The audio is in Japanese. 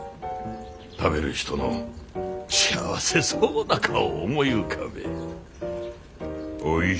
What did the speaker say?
食べる人の幸せそうな顔を思い浮かべえ。